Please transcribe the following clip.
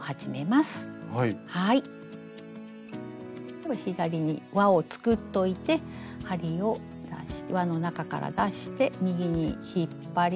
では左に輪を作っといて針を輪の中から出して右に引っ張ります。